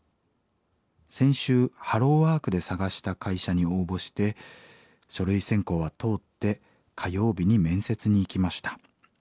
先週ハローワークで探した会社に応募して書類選考は通って火曜日に面接に行きました。